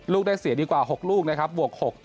ลูกได้เสียดีกว่า๖ลูกนะครับบวก๖